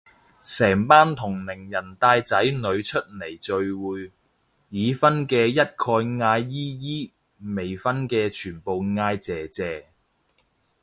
成班同齡人帶仔女出嚟聚會，已婚嘅一概嗌姨姨，未婚嘅全部嗌姐姐